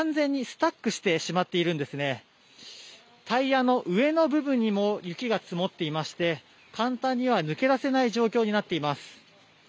タイヤの上の部分にも雪が積もっていまして、簡単には抜け出せない状況になっています。